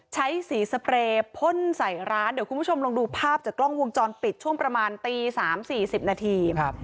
ใช้สีสเปรย์พ่นใส่ร้านเดี๋ยวคุณผู้ชมลองดูภาพจากกล้องวงจรปิดช่วงประมาณตี๓๔๐นาที